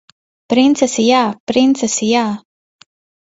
Princesi jā! Princesi jā!